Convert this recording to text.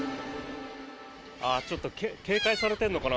ちょっと警戒されてるのかな。